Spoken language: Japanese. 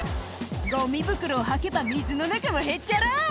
「ゴミ袋をはけば水の中もへっちゃら」